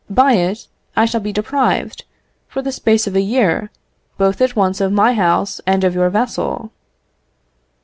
By it, I shall be deprived, for the space of a year, both at once of my house and of your vessel.